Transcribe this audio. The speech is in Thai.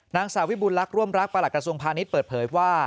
นางสาวิบุญลักษ์ร่วมรักประหลักกระทรวงพาณิชย์เปิดเผยว่า